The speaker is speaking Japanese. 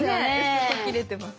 薄く切れてます。